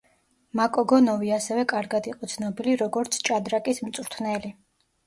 მაკოგონოვი ასევე კარგად იყო ცნობილი როგორც ჭადრაკის მწვრთნელი.